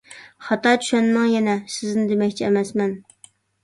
خاتا چۈشەنمەڭ يەنە، سىزنى دېمەكچى ئەمەسمەن.